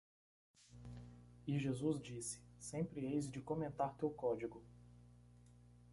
E Jesus disse, Sempre eis de comentar teu código.